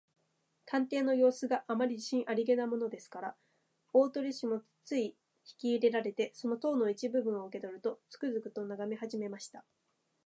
探偵のようすが、あまり自信ありげだものですから、大鳥氏もつい引きいれられて、その塔の一部分を受けとると、つくづくとながめはじめました。